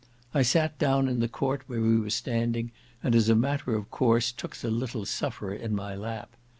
I sat down in the court where we were standing, and, as a matter of course, took the little sufferer in my lap.